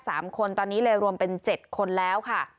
สามคนตอนนี้เลยรวมเป็นเจ็ดคนแล้วค่ะ